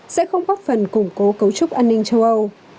sẽ không góp phần củng cố cấu trúc an ninh châu âu